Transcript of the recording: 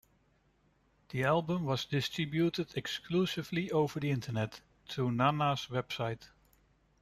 The album was distributed exclusively over the Internet, through Nana's website.